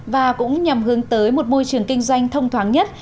và cũng nhằm hướng tới một môi trường kinh doanh thông thoáng nhất